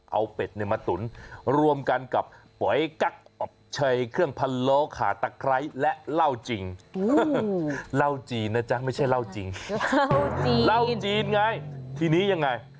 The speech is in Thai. เอาเป็ดนี่มาตุ๋นรวมกันกับป๋วยกั๊กอบเชยเครื่องพันโลขาตะไคร้และเหล้าจีน